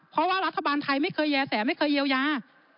เพราะว่ารัฐบาลไทยไม่เคยแย่แสไม่เคยเยียวยา